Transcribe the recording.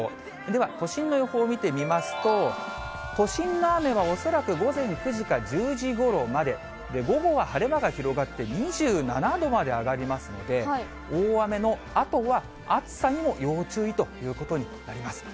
では都心の予報を見てみますと、都心の雨は恐らく午前９時か１０時ごろまで、午後は晴れ間が広がって、２７度まで上がりますので、大雨のあとは、暑さにも要注意ということになります。